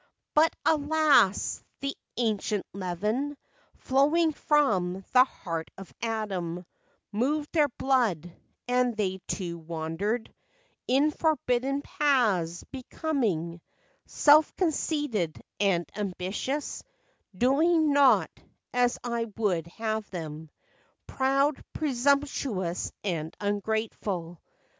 " But alas ! the ancient leaven, Flowing from the heart of Adam, Moved their blood, and they, too, wandered In forbidden paths, becoming Self conceited and ambitious, Doing not as I would have them, Proud, presumptious and ungrateful!